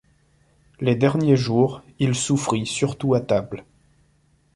Les derniers jours, il souffrit surtout à table.